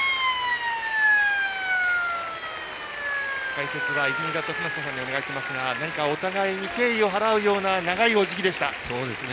解説は泉田徳正さんにお願いしていますが何かお互いに敬意を払うような長いおじぎでした。